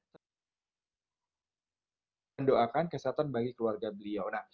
jangan doakan kesehatan bagi keluarga beliau